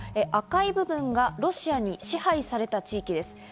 赤い部分がロシアに支配された地域です。